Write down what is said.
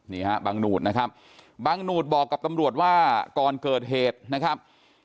นี่ฮะบังหนูดนะครับบังหนูดบอกกับตำรวจว่าก่อนเกิดเหตุนะครับ